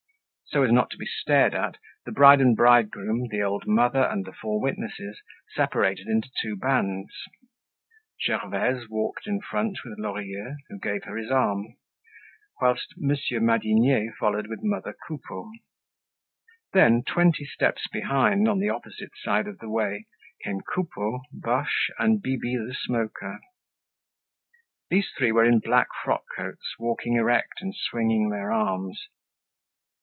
So as not to be stared at the bride and bridegroom, the old mother, and the four witnesses separated into two bands. Gervaise walked in front with Lorilleux, who gave her his arm; whilst Monsieur Madinier followed with mother Coupeau. Then, twenty steps behind on the opposite side of the way, came Coupeau, Boche, and Bibi the Smoker. These three were in black frock coats, walking erect and swinging their arms.